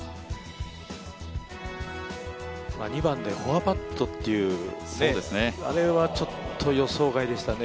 ２番でフォアパットっていうあれは予想外でしたね。